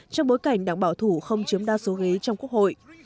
trong bối cảnh đảng bảo thủ không chiếm đa số ghế trong quốc hội